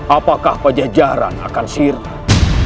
apakah pejajaran akan sirah